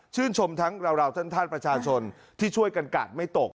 ชมทั้งเราท่านประชาชนที่ช่วยกันกาดไม่ตก